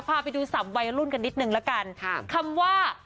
พาไปดูสัมวัยรุ่นกันนิดนึงคำว่า